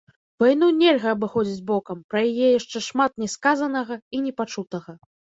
Вайну нельга абыходзіць бокам, пра яе яшчэ шмат не сказанага і не пачутага.